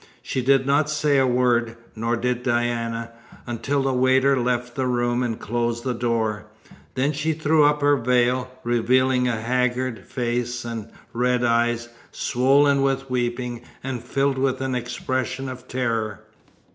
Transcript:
She did not say a word, nor did Diana, until the waiter left the room and closed the door. Then she threw up her veil, revealing a haggard face and red eyes, swollen with weeping, and filled with an expression of terror.